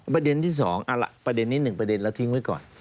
ประเด็นนี้หนึ่งประเด็นแล้วทิ้งไว้ก่อน